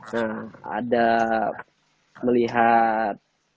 nah ada melihat